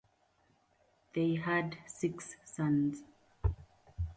They had six sons.